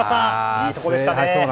いいところでしたね。